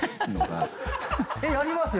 やりますよね？